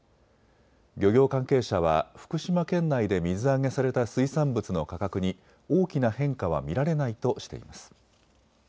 漁業関係者は福島県内で水揚げされた水産物の価格に大きな変化は見られないとしています。